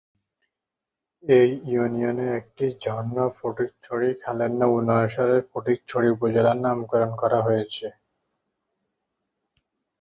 এই ইউনিয়নের একটি ঝর্ণা ফটিকছড়ি খালের নামানুসারে ফটিকছড়ি উপজেলার নামকরণ হয়েছে।